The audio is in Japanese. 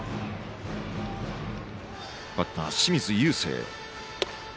バッター、清水友惺。